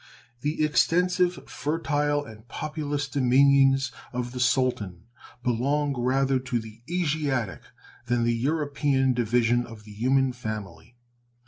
The extensive, fertile, and populous dominions of the Sultan belong rather to the Asiatic than the European division of the human family.